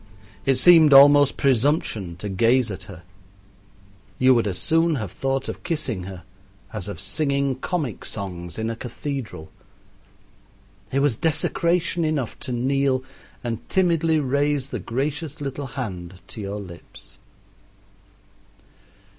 It seemed almost presumption to gaze at her. You would as soon have thought of kissing her as of singing comic songs in a cathedral. It was desecration enough to kneel and timidly raise the gracious little hand to your lips.